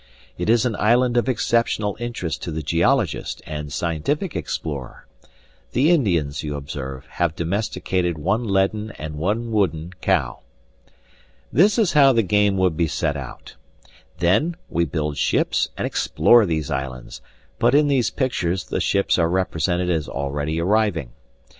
It is an island of exceptional interest to the geologist and scientific explorer. The Indians, you observe, have domesticated one leaden and one wooden cow. This is how the game would be set out. Then we build ships and explore these islands, but in these pictures the ships are represented as already arriving.